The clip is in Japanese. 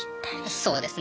そうですね。